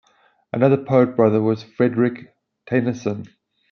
Another poet brother was Frederick Tennyson.